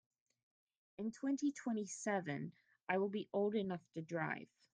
In twenty-twenty-seven I will old enough to drive.